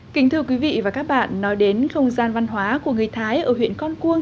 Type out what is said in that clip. kính thưa quý vị và các bạn nói đến không gian văn hóa của người thái ở huyện con cuông